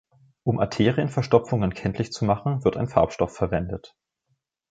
Um Arterienverstopfungen kenntlich zu machen, wird ein Farbstoff verwendet.